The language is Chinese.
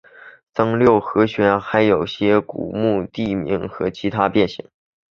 增六和弦还有一些有着古怪地名的名字的其他变形。